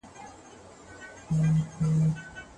مدیر وویل چې سند بشپړ شو.